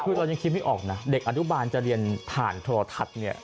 คือเรายังคิดไม่ออกนะเด็กอนุบาลจะเรียนผ่านโทรทัศน์เนี่ย